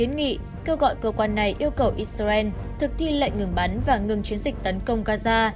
quyết định của igj được đưa ra hai tuần sau khi nam phi đệ trình kêu gọi cơ quan này yêu cầu israel thực thi lệnh ngừng bắn và ngừng chiến dịch tấn công gaza